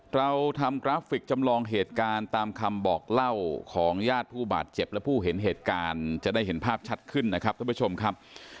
เราทำกราฟิกจำลองเหตุการณ์ตามคำบอกเล่าของญาติผู้บาดเจ็บและผู้เห็นเหตุการณ์จะได้เห็นภาพชัดขึ้นนะครับท่านผู้ชมครับ